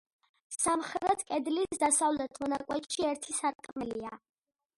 სამხრეთ კედლის დასავლეთ მონაკვეთში ერთი სარკმელია.